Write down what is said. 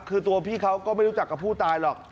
คือตัวพี่เขาก็ไม่รู้จักกับผู้ตายหรอก